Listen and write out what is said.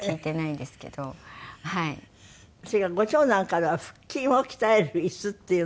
次はご長男からは腹筋を鍛える椅子っていう。